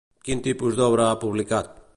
Quin tipus d'obra ha publicat?